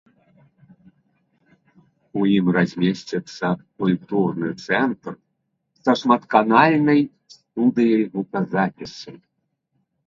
У ім размесціцца культурны цэнтр са шматканальнай студыяй гуказапісу.